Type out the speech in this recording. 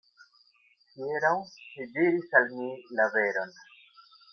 Hieraŭ li diris al mi la veron.